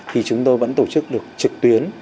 thì chúng tôi vẫn tổ chức được trực tuyến